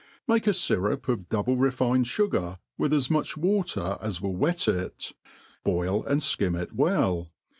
Make a fyrup of double refined fugar, with as much water as will wet it ; boil and ikim it well.